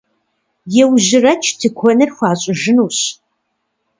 Еужьэрэкӏ, тыкуэныр хуащӏыжынущ!